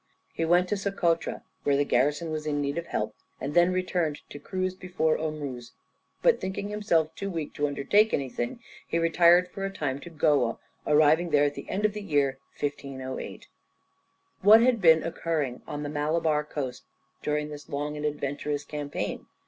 He went to Socotra, where the garrison was in need of help, and then returned to cruise before Ormuz, but thinking himself too weak to undertake anything, he retired for a time to Goa, arriving there at the end of the year 1508. What had been occurring on the Malabar coast during this long and adventurous campaign?